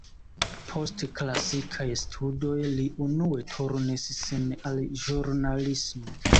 Post klasikaj studoj, li unue turnis sin al ĵurnalismo.